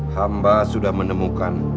hamba sudah menemukan